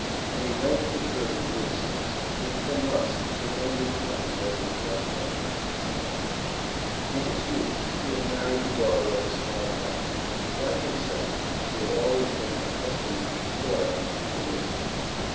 An event had occurred a year since, which for months, he could only contemplate with dull wonder and dismay. In his youth he had married the daughter of a small farmer. Like himself, she had always been accustomed to toil and frugal living.